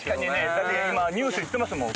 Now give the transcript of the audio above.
だって今ニュースで言ってますもん。